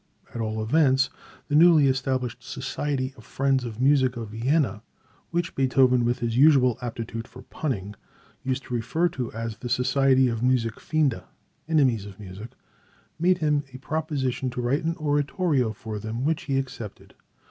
At all events, the newly established Society of Friends of Music of Vienna (which Beethoven, with his usual aptitude for punning, used to refer to as the society of Musikfeinde, enemies of music) made him a proposition to write an oratorio for them, which he accepted.